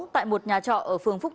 tại một nhà trọ ở phường phúc tây